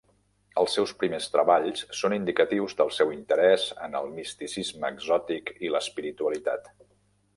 Els seus primers treballs són indicatius del seu interès en el misticisme exòtic i l'espiritualitat.